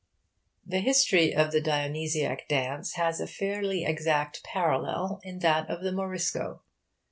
The history of the Dionysiac dance has a fairly exact parallel in that of the 'Morisco.'